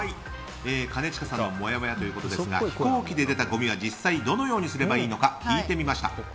兼近さんのもやもやですが飛行機で出たごみは実際どのようにすればいいのか聞いてみました。